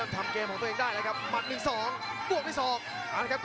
จังหวาดึงซ้ายตายังดีอยู่ครับเพชรมงคล